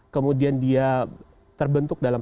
kemudian dia terbentuk dalam